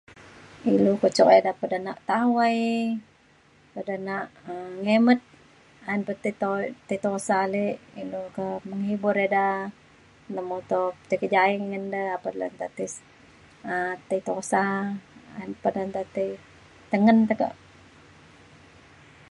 ilu ke cuk ida pedenak tawai ida nak um ngimet ayen pa ti to- tusa ale ilu ke menghibur ida nemotu ti kejaie ngan ida apan le nta ti um ti tusa an pa ida nta ti tengen teka.